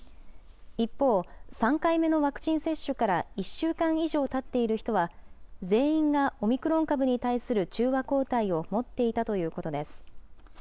一方、３回目のワクチン接種から１週間以上たっている人は、全員がオミクロン株に対する中和抗体を持っていたということです。